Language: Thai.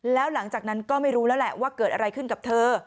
แล้วหลังจากนั้นก็ไม่รู้แล้วแหละว่าเกิดอะไรขึ้นกับเธอ